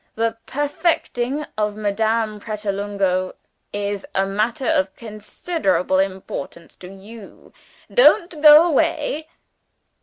The perfecting of Madame Pratolungo is a matter of considerable importance to you. Don't go away."